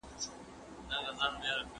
عبدالغفار بريالى احمدسلطاني